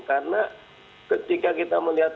karena ketika kita melihat